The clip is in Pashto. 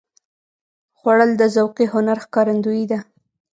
خوړل د ذوقي هنر ښکارندویي ده